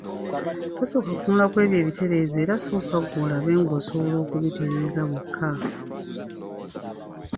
Tosooka kutunula ku ebyo ebitereeze era sooka ggwe olabe ng’osobola okubitereeza wekka.